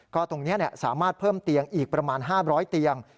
ตรงนี้สามารถเพิ่มเตียงอีกประมาณ๕๐๐เตียง